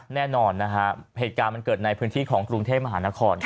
แน่นอนนะฮะเหตุการณ์มันเกิดในพื้นที่ของกรุงเทพมหานคร